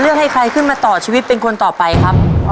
ลูกท้ารออยู่ครับตอนนี้ละครับ